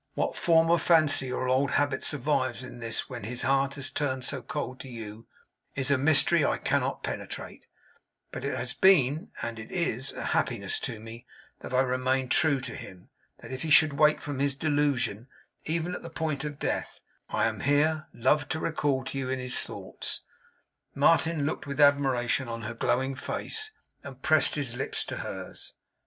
What former fancy or old habit survives in this, when his heart has turned so cold to you, is a mystery I cannot penetrate; but it has been, and it is, a happiness to me, that I remained true to him; that if he should wake from his delusion, even at the point of death, I am here, love, to recall you to his thoughts.' Martin looked with admiration on her glowing face, and pressed his lips to hers.